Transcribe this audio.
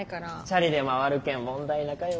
チャリで回るけん問題なかよ。